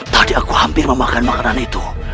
tadi aku hampir memakan makanan itu